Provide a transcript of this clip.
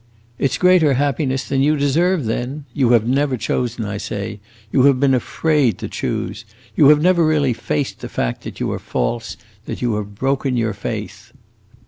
"It 's greater happiness than you deserve, then! You have never chosen, I say; you have been afraid to choose. You have never really faced the fact that you are false, that you have broken your faith.